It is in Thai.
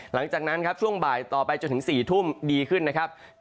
หลังจากนั้นครับช่วงบ่ายต่อไปจนถึง๔ทุ่มดีขึ้นนะครับ